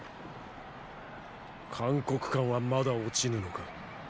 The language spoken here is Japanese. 函谷関はまだ落ちぬのか！